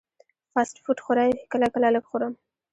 فاسټ فوډ خورئ؟ کله کله، لږ خورم